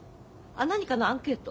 何かのアンケート？